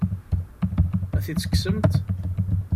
Ad t-id-tekksemt?